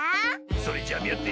それじゃあみあって。